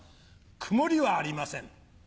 曇りはありません。